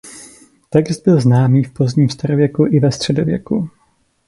Text byl známý v pozdním starověku i ve středověku.